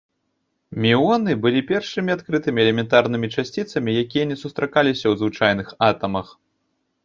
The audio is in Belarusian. Мюоны былі першымі адкрытымі элементарнымі часціцамі, якія не сустракаліся ў звычайных атамах.